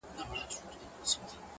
نۀ د ګلاب ، نۀ د شغلې ځيګر ته ورسېدم